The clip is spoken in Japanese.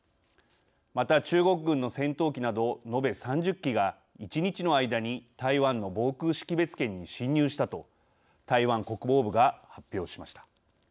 また、中国軍の戦闘機など延べ３０機が１日の間に台湾の防空識別圏に侵入したと台湾国防部が発表しました。